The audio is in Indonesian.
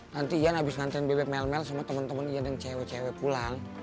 nanti ian abis ngancan bebek mel mel sama teman teman ian yang cewek cewek pulang